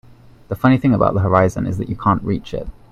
The funny thing about the horizon is that you can't reach it.